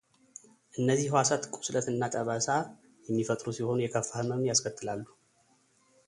እነዚህ ሕዋሳት ቁስለት እና ጠባሳ የሚፈጥሩ ሲሆን የከፋ ህመምም ያስከትላሉ።